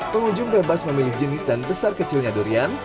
pengunjung bebas memilih jenis dan pesan